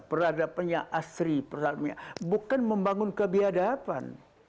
peradaban yang asri peradaban bukan membangun kebiadaban